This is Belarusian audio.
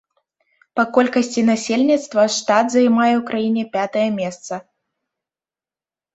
Па колькасці насельніцтва штат займае ў краіне пятае месца.